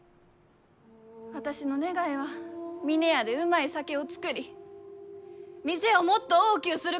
私の願いは峰屋でうまい酒を造り店をもっと大きゅうすること。